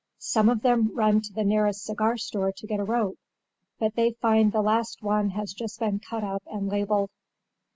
Some of them run to the nearest cigar store to get a rope; but they find the last one has just been cut up and labelled.